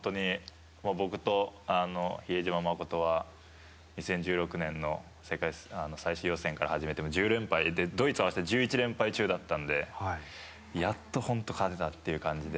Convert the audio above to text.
僕と比江島慎は２０１６年の世界最終予選から始めて１０連敗ドイツ合わせて１１連敗中だったのでやっと本当、勝てたって感じで。